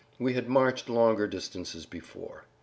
We had marched longer distances before.